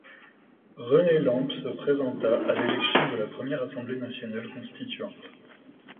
René Lamps se présenta à l'élection de la première Assemblée nationale constituante.